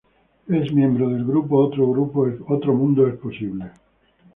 Es miembro del grupo Another World is Possible.